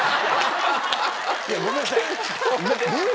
いやごめんなさいえっ？